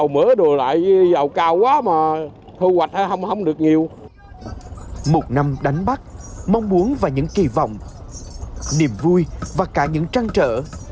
một năm đánh bắt mong muốn và những kỳ vọng niềm vui và cả những trăn trở